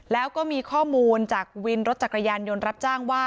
แล้วก็มีข้อมูลจากวินรถจักรยานยนต์รับจ้างว่า